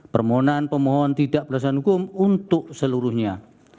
permohonan pemohon tidak berdasarkan hukum untuk seluruhnya